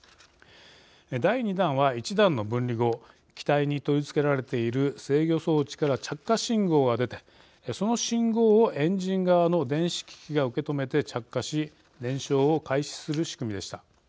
第２段は１段の分離後機体に取り付けられている制御装置から着火信号が出てその信号をエンジン側の電子機器が受け止めて着火し燃焼を開始する仕組みでした。